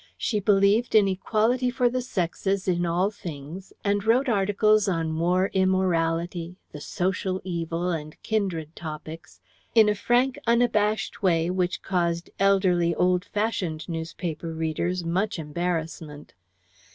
She believed in equality for the sexes in all things, and wrote articles on war immorality, the "social evil" and kindred topics in a frank unabashed way which caused elderly old fashioned newspaper readers much embarrassment.